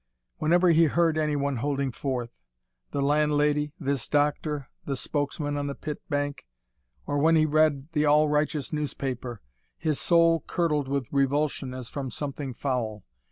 Whenever he heard anyone holding forth: the landlady, this doctor, the spokesman on the pit bank: or when he read the all righteous newspaper; his soul curdled with revulsion as from something foul.